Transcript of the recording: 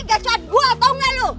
ini gak coba gue apa enggak lu